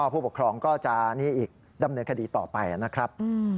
ผู้ปกครองก็จะดำเนินคดีต่อไปนะครับ